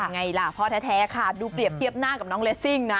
ไงล่ะพ่อแท้ค่ะดูเปรียบเทียบหน้ากับน้องเลสซิ่งนะ